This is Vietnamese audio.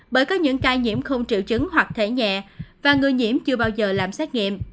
bởi có những ca nhiễm không triệu chứng hoặc thể nhẹ và người nhiễm chưa bao giờ làm xét nghiệm